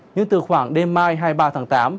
nhưng từ khoảng đêm mai hai mươi ba tháng tám